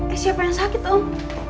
eh siapa yang sakit om